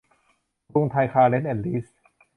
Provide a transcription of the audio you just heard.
กรุงไทยคาร์เร้นท์ แอนด์ ลีส